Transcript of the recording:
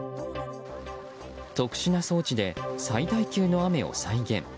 特殊な装置で最大級の雨を再現。